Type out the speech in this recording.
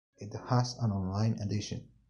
It has an online edition.